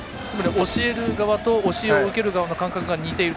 教える側と教えを受ける側の感覚が似ている。